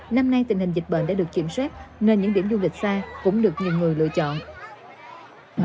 năm nay tình hình dịch bệnh đã được kiểm soát nên những điểm du lịch xa cũng được nhiều người lựa chọn